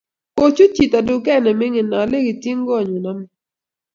kochut chito duket na mining na lekitjini koot nyu amut